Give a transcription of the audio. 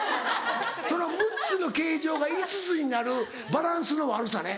その６つの形状が５つになるバランスの悪さね。